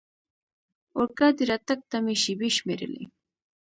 اورګاډي راتګ ته مې شېبې شمېرلې.